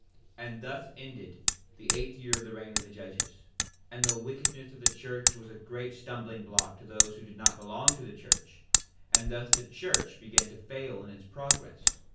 4:10 And thus ended the eighth year of the reign of the judges; and the wickedness of the church was a great stumbling block to those who did not belong to the church; and thus the church began to fail in its progress.